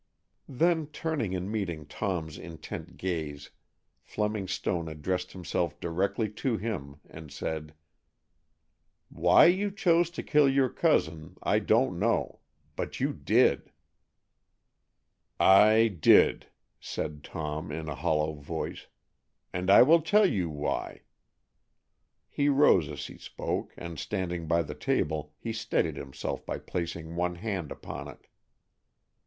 Then turning and meeting Tom's intent gaze, Fleming Stone addressed himself directly to him, and said, "Why you chose to kill your cousin, I don't know; but you did." "I did," said Tom, in a hollow voice, "and I will tell you why." He rose as he spoke, and standing by the table, he steadied himself by placing one hand upon it.